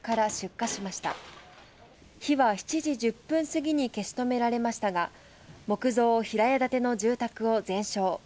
火は７時１０分過ぎに消し止められましたが、木造平屋建ての住宅を全焼。